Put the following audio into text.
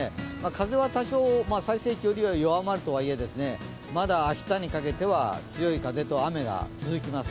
風は多少、最盛期よりは弱まるとはいえ、まだ明日にかけては、強い風と雨が続きます。